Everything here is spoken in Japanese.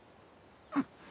うん。